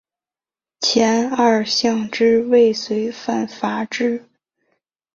前二项之未遂犯罚之。